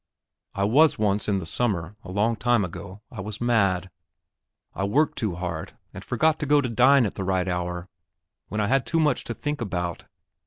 It was once in the summer, a long time ago, I was mad; I worked too hard, and forgot to go to dine at the right hour, when I had too much to think about.